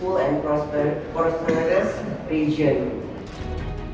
kita ingin berkontribusi untuk menciptakan sebuah regi yang selamat dan berkembang